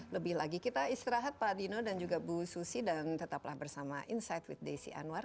lebih lagi kita istirahat pak dino dan juga bu susi dan tetaplah bersama insight with desi anwar